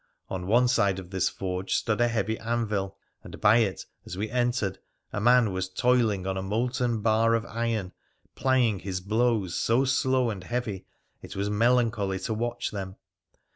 On one side of this forge stood a heavy anvil, and by it, as we entered, a man was toiling on a molten bar of iron, plying his blows so slow and heavy it was melancholy to watch them.